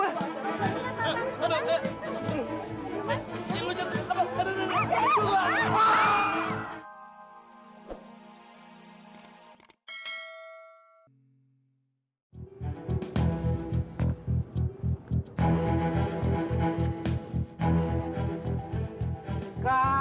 lo mau mati lo jangan pegangin gua